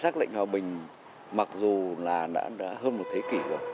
sắc lệnh về hòa bình mặc dù là đã hơn một thế kỷ rồi